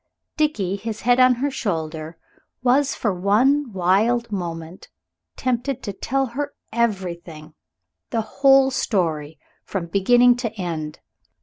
Dickie, his head on her shoulder, was for one wild moment tempted to tell her everything the whole story, from beginning to end.